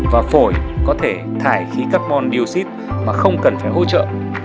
và phổi có thể thải khí carbon dioxide mà không cần phải hỗ trợ